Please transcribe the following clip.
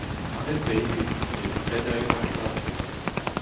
A-bep-eil e-giz-se hed-ha-hed an dachenn.